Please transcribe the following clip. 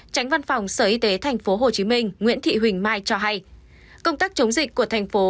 tránh văn phòng sở y tế tp hcm nguyễn thị huỳnh mai cho hay công tác chống dịch của thành phố